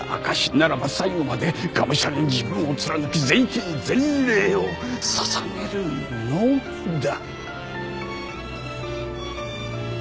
ならば最後までがむしゃらに自分を貫き全身全霊を捧げるのみだ。